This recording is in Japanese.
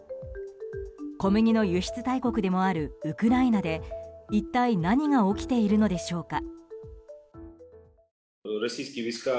小麦の輸出大国でもあるウクライナで一体何が起きているのでしょうか。